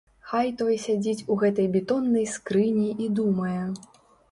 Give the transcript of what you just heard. Хай той сядзіць у гэтай бетоннай скрыні і думае.